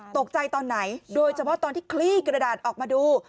ตอนไหนโดยเฉพาะตอนที่คลี่กระดาษออกมาดู